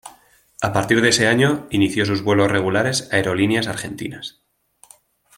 A partir de ese año, inició sus vuelos regulares Aerolíneas Argentinas.